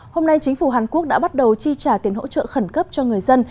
hôm nay chính phủ hàn quốc đã bắt đầu chi trả tiền hỗ trợ khẩn cấp cho người dân